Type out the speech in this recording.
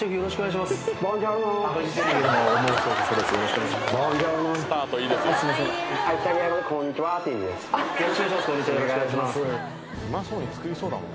「うまそうに作りそうだもんな」